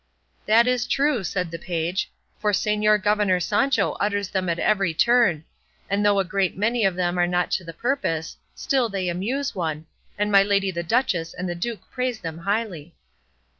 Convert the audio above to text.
"That is true," said the page, "for Señor Governor Sancho utters them at every turn; and though a great many of them are not to the purpose, still they amuse one, and my lady the duchess and the duke praise them highly."